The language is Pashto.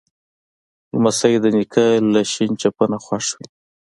لمسی د نیکه له شین چپنه خوښ وي.